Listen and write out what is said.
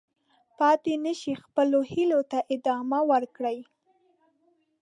پاتې نه شئ، خپلو هیلو ته ادامه ورکړئ.